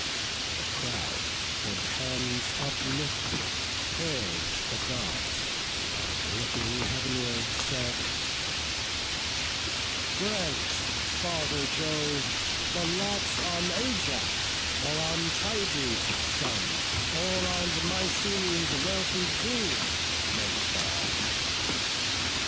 The crowd, with hands uplifted, pray'd the Gods, And looking heav'nward, said, "Grant, Father Jove, The lot on Ajax, or on Tydeus' son, Or on Mycenæ's wealthy King may fall."